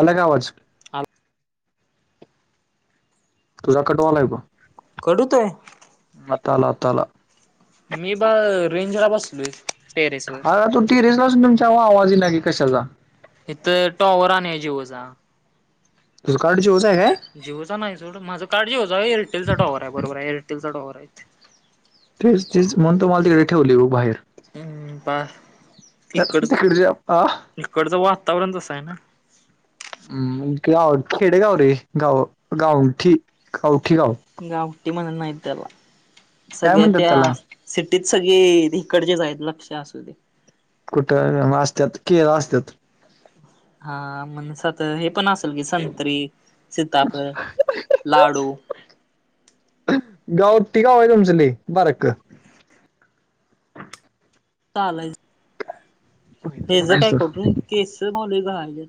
आला का आवाज आल तुझा कट व्हायलाय फोन कट हुतंय आता आला आता आला मी बां रेंज ला बसलोय. टेरेस वर आग तुमची रेंज ना म्हणून जाम आवाज ये लागि कशाचा इथं टॉवर आणि ये जीओचा तुझं कार्ड जियोचा हाय काय? जिओचा नाय सोड माझं कार्ड जिओचा आहे एअरटेलचा टॉवर हाय बरोबर हाय एअरटेलचा टॉवर हाय इथे तेच तेच म्हणून तुम्हाला तिकडे ठेवलय ओ बाहेर हम् का तिकडच तिकडच्या आ इकडचं वातावरण तस हाय ना हं गाव खेडे गाव रे गाव गावठी गावठी गाव गावठी म्हणा नाय त्याला काय सगळ्या म्हणतात त्या त्याला सिटीत सगळे इकडचेच आहेत लक्ष असू दे कुठ म असत्यात केळ असत्यात हा मण सात हे पण असेल की संत्री, सिताफळ, लाडू गावट्टी गाव हाय तुमच लय बारक चालाय बक्की हे ज कुठला काय तर करून केस मावली लय गळायलीत.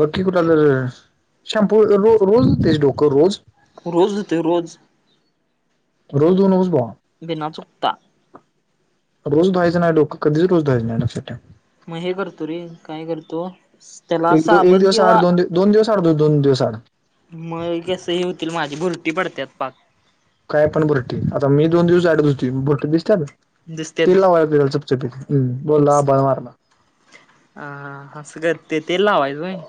बघ की कुठलातर शॅम्पू रो रोज धुतयस डोकं रोज- रोज धुतय रोज रोज धुवू नकोस भावा बिना चुकता. रोज धुवायच नाय डोकं कधीच रोज धुवायच नाय लक्षात ठेव. म हे करतो रे काय करतो? त्याला एक दो एक साबण दिवस आड किंवा दोन दोन दिवसआड धु दोन दिवस आड म कस हे होतील माझी भूरटी भरत्यात पाक काय पण भुरटी आता मी दोन दिवस आड धुतय म भुरटी दिसत्यात. दिसत्यात तेल की लावाय बि चपचपी बोलला आभाळ वरना अ हा अस काय ते तेल लावायच व्हय.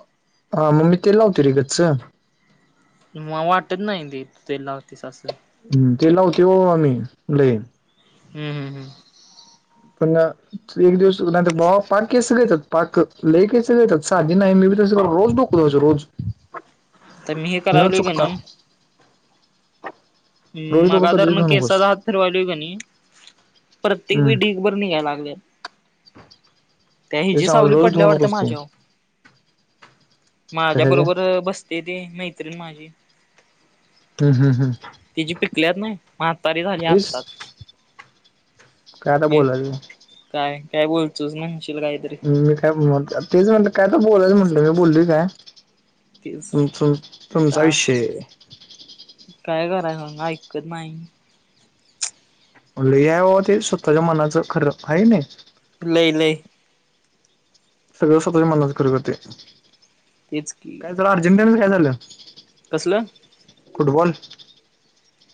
हा म मी तेल लावतोय रे गच्च म म वाटत नाय ते तेल लावतेस असं हम् ते लावते बा आम्ही. हम् हम् हम्. पुण. एक दिवस नाही रे बाबा पाक केस गळत्यात पाक लय केस गळत्यात साधी नाही मे बी तस रोज दु रोज रोज तर मी हे न करावले ग चुकता नाही. रोज मगा डोकं जर कधीच मग धुवू केस. नकोस कणी प्रत्येक हम्म वेळी ढीगभर निघायला लागलय. त्या हि ते जी सांगालोय सावली रोज पडल्या धुवू वाटत नकोस ते माझ्यावर. माझ्या कशाचे बरोबर बसते ती मैत्रीण माझी. हम् हम् हम्. तिचीी पिकल्यात नाही म्हातारी झाली आत्ताच. काय आता बोलायचं काय काय बोलतोस म्हणचील काय नई. मी काय तेच म्हण काय तर बोलाय म्हणलं मी बोललय काय. तेच तु तुम तुमच चा आयुष्य. काय करायच सांगा ऐकत नाही. म्हण लय हाय बाबा ते स्वतःच्या मनाचं खरं हाय की नाही. नाही नाही. सगळं स्वतःच्या मनानाच कर ते तेच की काय झालं अर्जेंटानच काय झालं. कसलं? फुटबॉल.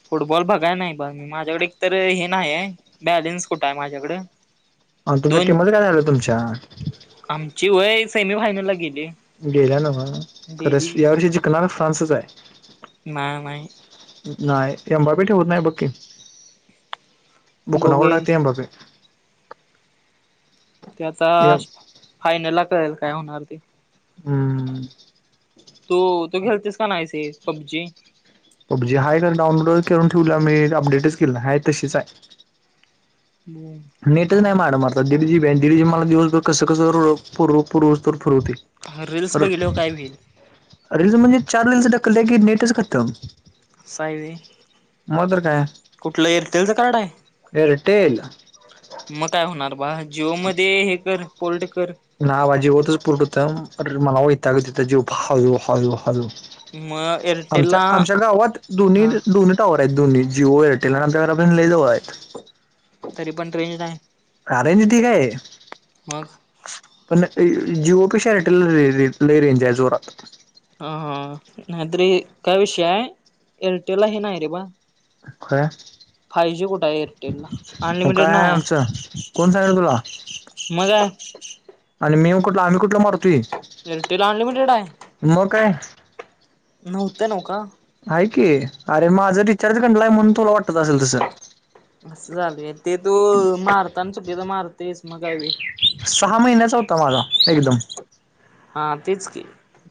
फुटबॉल बघाय नाही बघ मी माझ्याकडे एक तर हे नाही आहे बॅलेन्स कुठं आहे माझ्याकडं. तुमच्या टीमध्ये काय झालं तुमच्या. आमची वय सेमीफायनल ला गेली. गेल्या ना ह खरंच डेली या वर्षी जिकनार फ्रान्सच हाय. नाय माहित. नाही एमबाबी ठेवत नाही बक्की बुकनावर बघूया लागते एमबापे. ते आता फायनल ला केल काय होणार तेी. हम्म हम्म. तू तू खेळतेस का नासे पबजी. जजी हय का डाउनलोड करून ठेवला मी अपडेटच केलं आहेय तशीच आहे. नोन. नेटच नाय मायाकड मर्दा दिड जीबी हाय दिड जीबी मला दिवसभर कसं कसं पुरव पुरव पुरवतोय. रील्स बघितल्यावर काय होईल रीलल् म्हणजे चार रीलल्स ढाकललं की नेटच खतम. अस हाय व्हय मग तर काय कुठलं एअरटेलचं कार्ड हाय. एअरटेल. मग काय होणार बाळ जियो मध्ये हे कर पोर्ट कर. नावा जेवतच होतच पुरट होत अरे मला वैतागच येतंय जेव हळू हळु हळु. मग एअरटेलला आमच्या आमच्या गावात दोन् हा दोन. टॉवर आहेत दोन्ही जिओ एअटेल आमच्या घरापासून लय जवळ आहेत. तरी पण रेंज नाही रेंज ठीक आहे मग. पण जियो पेक्षा एअरटेल ला लय रेंज हाय जोरात. हा हा नाही तरी काय विषय हाय एअरटेल ला हे नाही रे बा. काय. फाय जी कुठे आहे एअरटेल ला मग अनलिमिटेड काय ना आहे. आमचं कोण सांगितलं तुला मला. आणि मी कुठला आम्ही कुठला मरतोय. एअरटेल अनलिमिटेड हाय. म काय नव्हतं नव का. हाय की अरे माझ रिचार्ज गंडलाय म्हणून तुला वाटत असल तस असं झालय ते तू मारताना चुकीचं मारतयस मग काय व्हील सहा महिन्याचा हुता माझा एकदम हा तेच की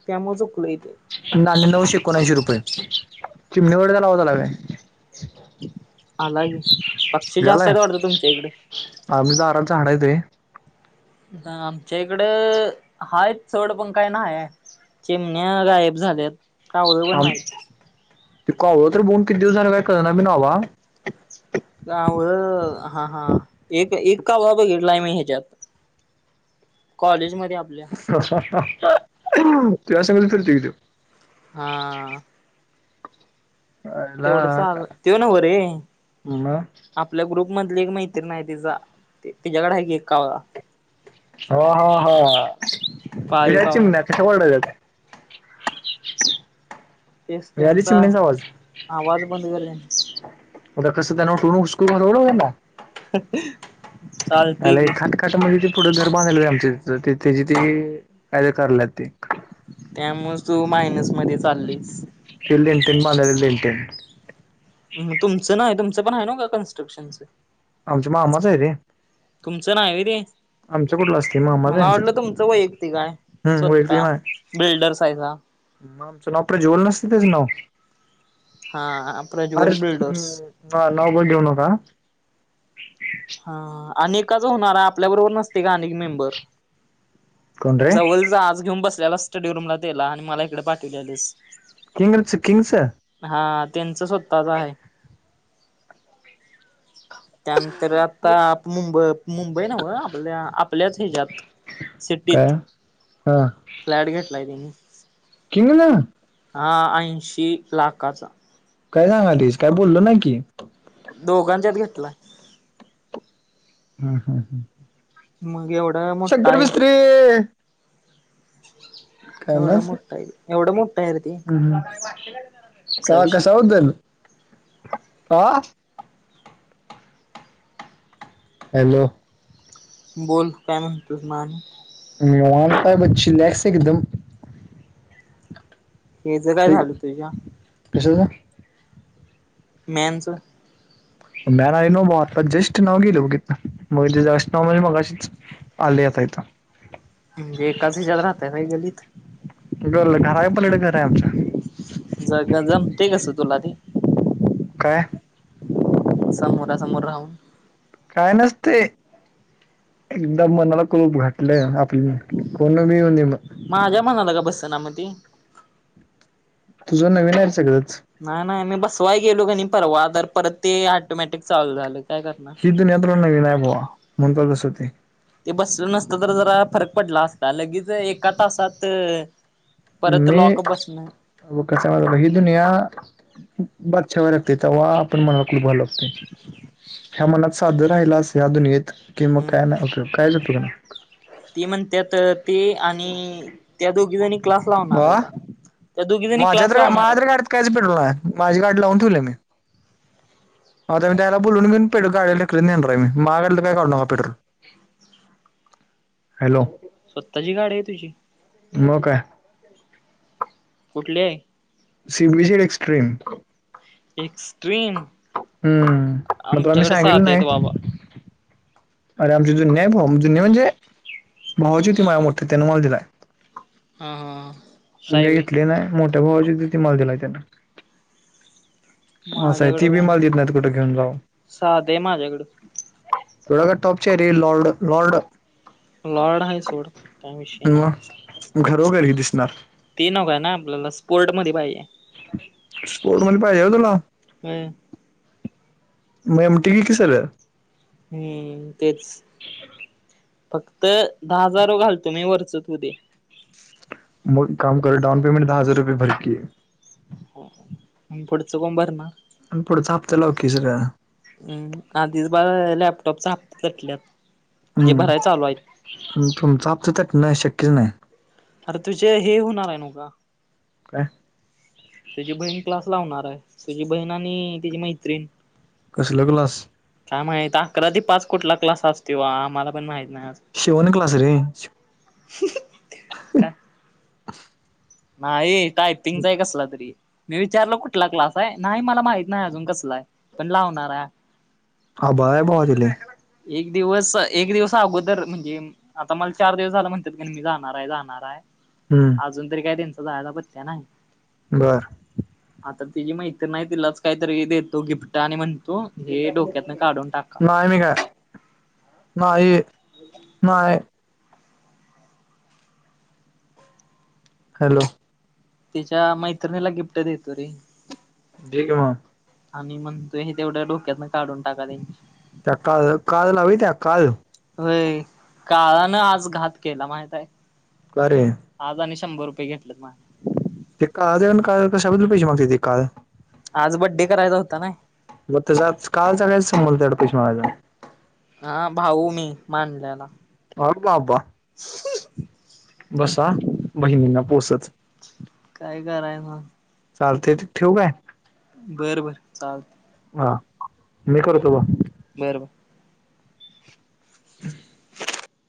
त्यामुळेच चुकलय ते न आणि नऊशे एकोणऐंशी रुपये चिमण्या वरडतेला आवाज आला काय? अलागी पक्षी झालाय जास्तयत वाटत तुमच्या इकड आम्ही दारात झाडय ते आमच्या इकड हायत सोड पण काय न्हायाय चिमण्या गायब झाल्यात. कावळं पण थांब नाहीत. ती कावळ तर बगून किती दिवस झालं काय कळणा पण बाबा कावळं हा हा एक एक कावळा बघितलाय मी ह्याज्यात कॉलेजमध्ये आपल्या तुझ्यासंगच फिरतोय कि त्यो हा तेवढं आयला चाल त्यो नव्ह रे मग आपल्या ग्रुप मधली एक मैत्रीण हाय तिजा तिच्याकड हाय की एक कावळा हो हो हो कि पाळीव ड्या कावळा चिमण्या काय वरडायल्यात तेच त्यांचा आवाज बंद कर त्यांचा पुढ कस त्यांना उठवू नको [unintelligible] त्यांना [inaudible] चालतंय आलय की खा खाट म्हणजे ती पुढं घर बांधलंय आमच्या तिथं त्याजी ती काय तर काराल्यात ती त्यामुळच तू मायनस मधी चालयस ती लेन्टेन मालायल लेनटेन म तुमचं नाही तुमचं पण हाय नव्हका का कन्स्ट्रक्शनच आमच्या मामाच हाय रे तुमचं नाय वय ते आमच्या कुठला असते मामाच आहे मला आमच्या वाटलं ते तुमचं वैयक्तिक हाय हम्म स्वतः बिल्डर्स हायसा म आमचं नाव प्रज्वल नसत त्याज नाव हा अरे प्रज्वल बिल्डर्स हा नाव पण देऊ नका. हा अनेकाच होणाराय आपल्या बरोबर नसतय का आणि एक मेंबर कोण रे जवळ जा आज घेऊन बसलेला स्टडी रूमला तेला आणि मला इकड पाठिवलेलस. किंग च किंगच हा त्यांचं स्वतःच हाय त्या तर आता मुंब मुंबई न्हव आपल्या आपल्याच ह्याच्यात सिटीत काय हा फ्लॅट घेतलाय त्यांनी किंग ना हा ऐंशी लाखाचा काय सांगालयस काय बोलल नाही की दोघांच्यात घेतलाय. हम्म हम्म हम्म मग एवढा मोठाय [inaudible] एवढा कायलाच मोठा आहे एवढा मोठा आहे रे ते हम्म हम्म [unintelligible] असा का विषय. कशा बद्दल आ हॅलो बोल काय म्हणतोस मग आणि निवांताय बग चिलॅक्स एकदम हेच काय ठीक झालं तुझ्या कशाच मेनस [unintelligible] मॅन आली ना म आता जेस्ट नाव गेलं बघीथ मग जास् नाव म्हणजे मग अच, आल् यतायत एकाच राहत ना गल्लीत. घराच्या पलीकडे घर आहे आमच्या. ज जमते कसं तुला ते. काय समोरा समोर राहून काय नसते एकदम मनाला खूप घातलय आपली कोण म्हनी माझ्या मनाला का बसत ना मती तुझं नवीन आहे सगळंच नाही नाही मी बसवायला गेलो कणी परवा तर ते ऑटोमॅटिक चालू झालं काय करणार यंत्रण नगे नाही भावा मन कर मस्ती ते बसलं नसत तर जरा फरक पडला असता लगेच एका तासात परत मी लॉक बसणं व कसा मही दुनया बादशा व लागते तर वा पण म्हणाला खूप भाव लागते ह्या मनात साधं राहिला अस या अ दुनियेत कि मग काय नाही कायच होत नाय. ते म्हण त्यात ते आणि त्या दोघी जणी क्लास लावनार आता. माझ्यात्र माझ्या तर्र गाड्यात कायच पेट्रोल आहे माझी गाडी लावून ठेवलं मी. आता मी त्याला बोलून घे पे गा्यालाक नेणार रा म मागालं काय काढ न पेट्रोल ह हॅलो स्वतःची गाडी आहे तुझी. मग कुठले आहे. सीबी सी एक्स्ट्रीम एक्स्ट्रीम हम्म मग तुला मी आमच्याकडे सांगितलं साधे बाबा. अरेमचे जुन् आहे भा जुन््या म्हणजे भाऊची होती माझ मोठठी त्यान मला दिलाय. ह हा. स साहेबी घेतले नाही मोठ्या भावाची होती ती मला दिलाय येन. अस आहे ती माझ्याकडं बी काय मला देत नाही कुठं घेऊन जाऊ. साधे आहे माझ्याकडं. थोड का टॉप रे लॉर्ड लॉर्ड. लॉर्ड हाय सोड काय विषयी मग नाही घरोघरी दिसणार ते नको पल्याला स्पोर्टमध्ये पाहिजे स्पोर्ट मधे पाहिजे का तुला हम्म मग एमटी घे की सगळं हम्म तेच फक्त दहा हजारो घालतो मी वरच तू दे. मग काम कर डाऊन पेमेंट दहा हजार रुपये भर की. पुढचं फ्राम भरनार. आणि पुढचा हप्ता लाव की जरा. हम् आधीच बा लॅपटॉप हप्ते चटल्यात. हम्म तुमच आमच तर नाही शक्य नाही अरे तुझे हे होणार आहे नवखा. काय त्याची बहीण क्लास लावणार आहे त्याची बहीण आणि त्याची मैत्रीण कसल क्लास? काय माहित अकरा ते पाच कुठला क्लास असतो आम्हाला पण माहित नाही अजूनं शिवण क्लास रे. ह. नाही टायपिंगचा आहे कसला तरी मी विचारलो कुठला क्लास आहे नाही मला माहित नाही अजून कसला आहे पण लावणार आहे. हा बा पा दिले. एक दिवस एक दिवसा अगोदर म्हणजे आता मला चार दिवस झाला म्हणतात की मी जाणार आहे जाणार आहे. हम्म. अजून तरी काय त्यांचा जायला पत्त्या नाही. बर. आता तिझी मैत्रिण आहे. नाही तिलाच काहीतरी देतो गिफ्ट आणि म्हणतो हे डोक्यातन काढून टाका. म का नाही नाही [unintelligible] हॅलो. तीच्या मैत्रिणीला गिफ्ट देतो रे. दे की मग आणि मग तू हे तेवढ्या डोक्यातन काढून टाका. त्या का कादलाववी त्या काद होय काळानं आज घात केला माझा आहे. कारे. आज आणि शंभर रुपये घेतलेत माझं. ते काळ कशाबद्दल पिसे मागते ते काळ. आज बड्डे करायचा होता ना. बग त्याचा आज काहीच्या काही संबंध त्या पौष महाराजांना हा भाऊ मी माांनल्याला अ काबा [unintelligible] बसा बहिणींना पोसत. काय कराय. चालतय ठेऊ काय? बर बरं चालतं. हा मी करतो ब बर बर. हं.